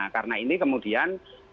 karena ini kemudian